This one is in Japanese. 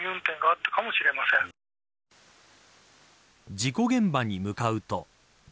事故現場に向かうと。